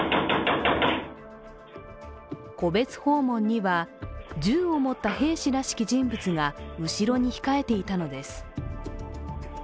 戸別訪問には、銃を持った兵士らしき人物が後ろに控えていたのです。